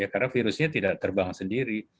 karena virusnya tidak terbang sendiri